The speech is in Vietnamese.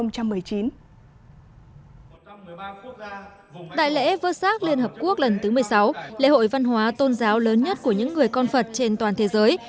đại lễ vơ sát liên hợp quốc lần thứ một mươi sáu lễ hội văn hóa tôn giáo lớn nhất của những người con phật trên toàn thế giới